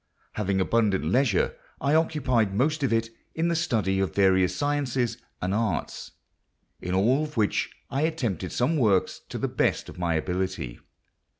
Having abundant leisure, I occupied most of it in the study of various sciences and arts, in all of which I attempted some works to the best of my ability.